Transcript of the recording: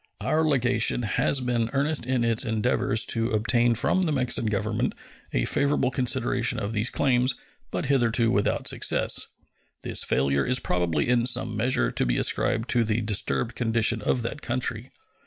Our legation has been earnest in its endeavors to obtain from the Mexican Government a favorable consideration of these claims, but hitherto without success. This failure is probably in some measure to be ascribed to the disturbed condition of that country.